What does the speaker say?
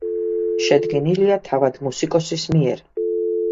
შედგენილია თავად მუსიკოსის მიერ.